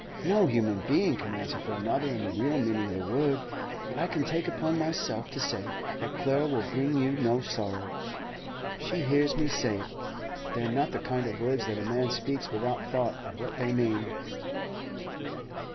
'No human being can answer for another in the real meaning of the word; but I take upon myself to say that Clara will bring you no sorrow. She hears me say it. They're not the kind of words that a man speaks without thought of what they mean.